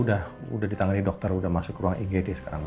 oh dia udah ditangani dokter udah masuk ruang igd sekarang ma